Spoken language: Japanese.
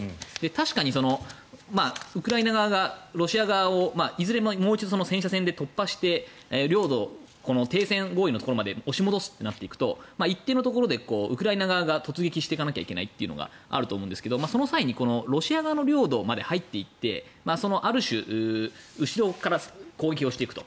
確かにウクライナ側がロシア側をいずれもう一度、戦車戦で突破して領土、停戦合意のところまで押し戻すってなっていくと一定のところでウクライナ側が突撃していかなくてはいけないというのがあると思うんですがその際にロシア側の領土まで入って行ってある種、後ろから攻撃していくと。